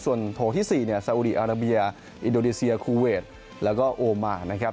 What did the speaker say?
ส่วนโถที่๔เนี่ยซาอุดีอาราเบียอินโดนีเซียคูเวทแล้วก็โอมานะครับ